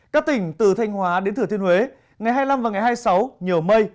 các tỉnh từ thanh hóa đến thừa thiên huế ngày hai mươi năm và ngày hai mươi sáu nhiều mây